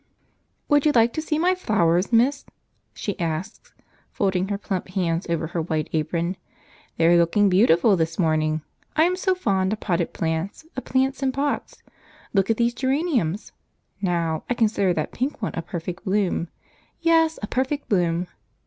"Would you like to see my flowers, miss?" she asks, folding her plump hands over her white apron. "They are looking beautiful this morning. I am so fond of potted plants, of plants in pots. Look at these geraniums! Now, I consider that pink one a perfect bloom; yes, a perfect bloom.